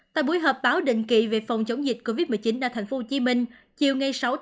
tại buổi họp báo định kỵ về phòng chống dịch covid một mươi chín ở tp hcm chiều sáu một mươi hai